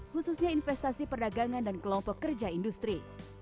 khususnya investasi perdagangan dan kelompok kerja industri